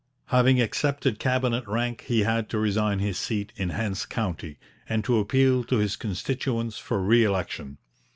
Having accepted Cabinet rank, he had to resign his seat in Hants county, and to appeal to his constituents for re election.